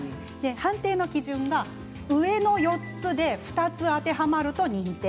判定の基準は上の４つで２つ当てはまると認定。